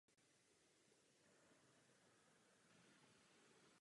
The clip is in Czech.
Mimo těchto míst je dnes nejvíce pěstována ve Středomoří.